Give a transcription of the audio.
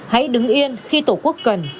hãy đứng yên khi tổ quốc cần